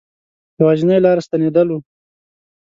یوازنی لاره ستنېدل وه.